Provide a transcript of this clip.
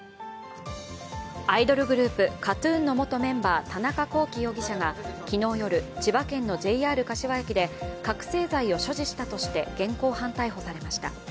アイドルグループ、ＫＡＴ−ＴＵＮの元メンバー田中聖容疑者が昨日夜、千葉県のＪＲ柏駅で覚醒剤を所持したとして現行犯逮捕されました。